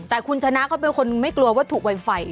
แต่คุณชนะเขาเป็นคนไม่กลัววัตถุไวไฟ